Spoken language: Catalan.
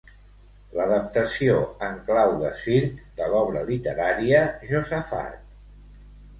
L'adaptació en clau de circ de l'obra literària "Josafat".